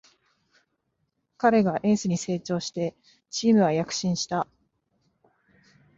彼がエースに成長してチームは躍進した